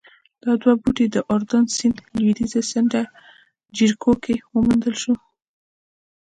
دا دوه بوټي د اردن سیند لوېدیځه څنډه جریکو کې وموندل شول